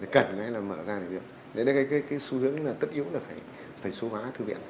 cần hay là mở ra được đấy là cái xu hướng tất yếu là phải số hóa thư viện